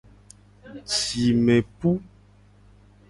Jime pu.